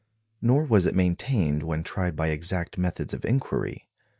Nor was it maintained when tried by exact methods of inquiry.